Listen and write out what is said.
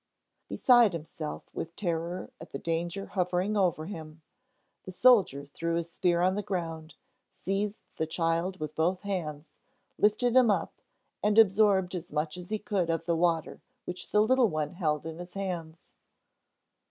Beside himself with terror at the danger hovering over him, the soldier threw his spear on the ground, seized the child with both hands, lifted him up, and absorbed as much as he could of the water which the little one held in his hands.